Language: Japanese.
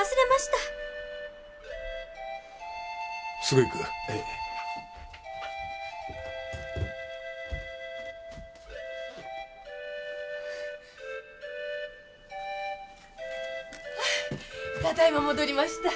ただいま戻りました。